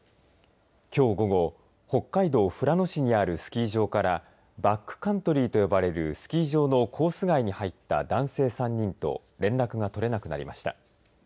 きょう午後北海道富良野市にあるスキー場からバックカントリーと呼ばれるスキー場のコース外に入った男性３人と連絡が取れなくなりました。